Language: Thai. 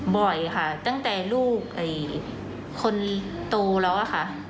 บ่อยค่ะตั้งแต่ลูกคนโตแล้วอะค่ะ